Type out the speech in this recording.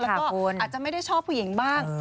แล้วก็อาจจะไม่ได้ชอบผู้หญิงบ้าง